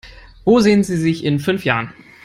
Wo sehen Sie sich in fünf Jahren?